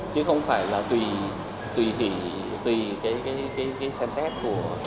chứ không phải là tùy tùy cái xem xét của